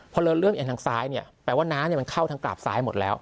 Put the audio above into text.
พอเราเริ่มเองทางซ้ายเนี่ยแปลว่าน้ำมันเข้าทางกราบซ้ายหมดแล้ว